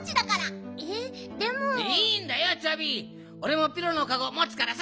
おれもピロのかごもつからさ。